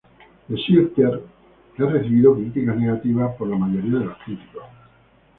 The Sitter ha recibido críticas negativas de la mayoría de los críticos.